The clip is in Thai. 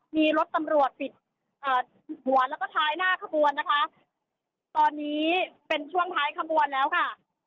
มีรถตำรวจปิดหัวแล้วก็ท้ายหน้าขบวนนะคะตอนนี้เป็นช่วงท้ายขบวนแล้วค่ะ